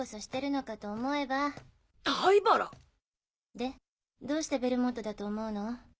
でどうしてベルモットだと思うの？